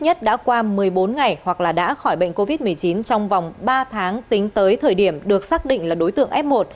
nhất đã qua một mươi bốn ngày hoặc là đã khỏi bệnh covid một mươi chín trong vòng ba tháng tính tới thời điểm được xác định là đối tượng f một